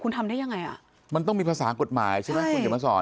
คุณทำได้ยังไงอ่ะมันต้องมีภาษากฎหมายใช่ไหมคุณเขียนมาสอน